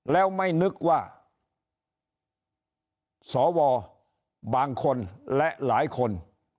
แล้วไม่นึกว่าสวบางคนและหลายคน